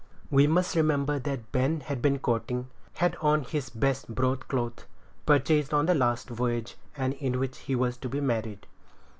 We must remember that Ben had been courting; had on his best broadcloth, purchased on the last voyage, and in which he was to be married.